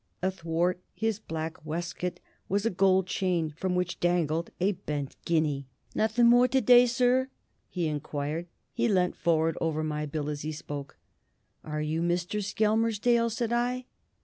Athwart his black waistcoat was a gold chain, from which dangled a bent guinea. "Nothing more to day, sir?" he inquired. He leant forward over my bill as he spoke. "Are you Mr. Skelmersdale?" said I.